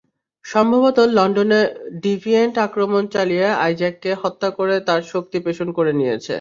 সম্ভবত লন্ডনে ডিভিয়েন্ট আক্রমণ চালিয়ে অ্যাজাককে হত্যা করে তার শক্তি শোষণ করে নিয়েছে।